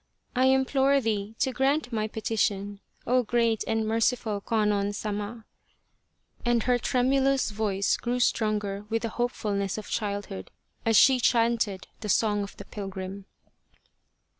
I implore thee to grant my petition, O great and merciful Kwannon Sama !" and her tremulous voice grew 26 The Quest of the Sword stronger with the hopefulness of childhood as she chanted the song of the pilgrim.